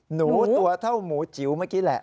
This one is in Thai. หนูตัวเท่าหมูจิ๋วเมื่อกี้แหละ